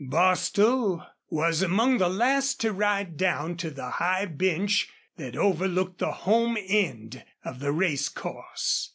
Bostil was among the last to ride down to the high bench that overlooked the home end of the racecourse.